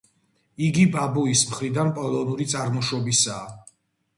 იგი ბაბუის მხრიდან პოლონური წარმოშობისაა.